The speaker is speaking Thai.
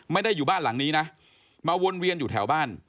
ไม่ได้อยู่บ้านหลังนี้นะมาวนเวียนอยู่แถวบ้าน